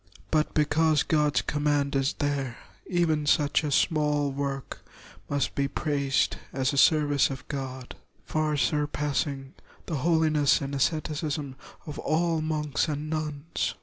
But because God's com mand is there, even such a small work must be praised as a service of God, far surpassing the holiness and asceticism of all monks and nuns.